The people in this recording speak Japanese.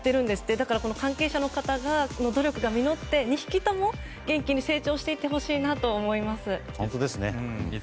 だから関係者の方の努力が実って２匹とも元気に成長していってほしいなと思います。